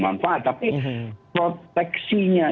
manfaat tapi proteksinya